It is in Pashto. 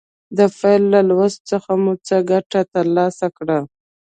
د فعل له لوست څخه مو څه ګټه تر لاسه کړه.